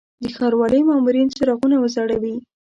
د ښاروالي مامورین څراغونه وځړوي.